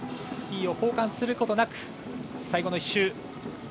スキーを交換することなく最後の１周。